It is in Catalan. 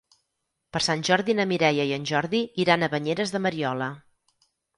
Per Sant Jordi na Mireia i en Jordi iran a Banyeres de Mariola.